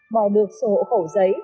bỏ được số hộ khẩu giấy